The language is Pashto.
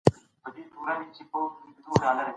هغه ګډ ژوند ته خلګ رابولي.